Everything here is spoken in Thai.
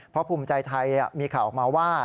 เพราะภูมิใจไทยมีข่าวออกมาว่า